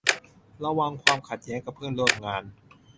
ระวังความขัดแย้งกับเพื่อนร่วมงาน